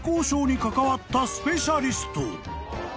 関わったスペシャリスト］